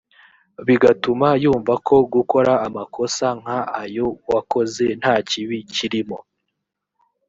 bigatuma yumva ko gukora amakosa nk ayo wakoze nta kibi kirimo